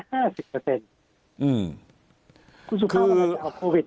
คุณสุภาพจะเอาโควิด